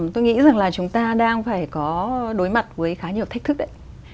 tôi nghĩ rằng là chúng ta đang phải có đối mặt với khá nhiều thách thức đấy